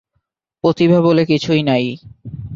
প্রতিভা বলে কিছুই নাই।